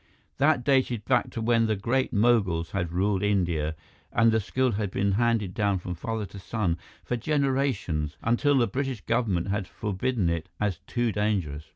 That dated back to when the Great Moguls had ruled India and the skill had been handed down from father to son for generations until the British government had forbidden it as too dangerous.